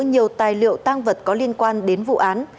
nhiều tài liệu tăng vật có liên quan đến vụ án